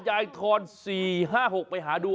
ยายทร๔๕๖ไปหาดู